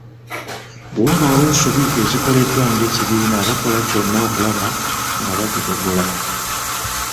Bwe wabaawo ensobi ezikoleddwa ng’ekibiina bakola kyonna okulaba nga bagigolola.